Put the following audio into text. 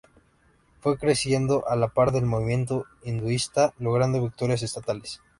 Fue creciendo a la par del movimiento hinduista logrando victorias estatales.